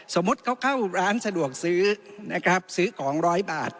สมมุติเขาเข้าร้านสะดวกซื้อนะครับซื้อของร้อยบาท